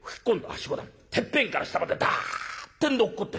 てっぺんから下までダッてんで落っこってしまう。